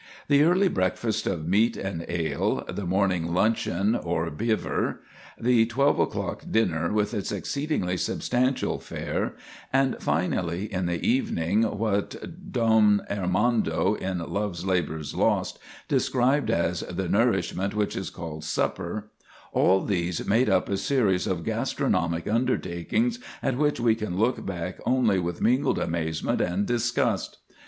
The early breakfast of meat and ale; the morning luncheon, or bever; the twelve o'clock dinner, with its exceedingly substantial fare; and, finally, in the evening, what Don Armado, in "Love's Labor's Lost," described as "the nourishment which is called supper,"—all these made up a series of gastronomic undertakings at which we can look back only with mingled amazement and disgust.